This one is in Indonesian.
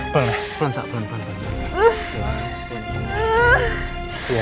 pelan pelan pelan